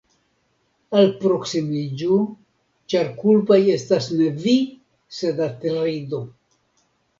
Alproksimiĝu, ĉar kulpaj estas ne vi, sed Atrido.